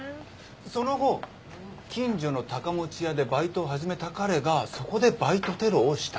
その後近所の高持屋でバイトを始めた彼がそこでバイトテロをした。